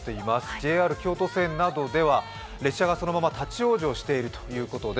ＪＲ京都線などでは列車がそのまま立往生しているということです。